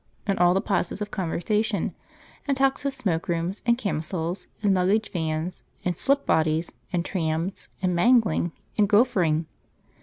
in all the pauses of conversation, and talks of smoke rooms, and camisoles, and luggage vans, and slip bodies, and trams, and mangling, and goffering.